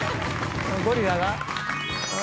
ゴリラが。